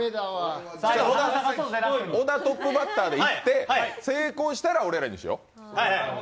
小田、トップバッターでいって成功したら俺らにしよう。